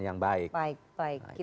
yang baik baik baik